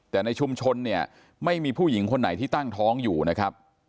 แต่ในชุมชนเนี่ยไม่มีผู้หญิงคนไหนที่ตั้งท้องอยู่นะครับ